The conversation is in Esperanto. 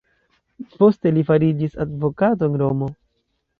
Poste li fariĝis advokato en Romo.